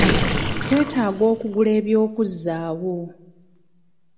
Twetaaga okugula eby'okuzzaawo.